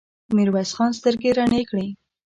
ميرويس خان سترګې رڼې کړې.